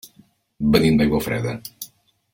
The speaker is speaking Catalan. Venim d'Aiguafreda.